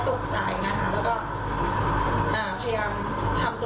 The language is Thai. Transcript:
สู้ต่อไปเองแม่งน้องก็ไม่ยอมแพ้ค่ะ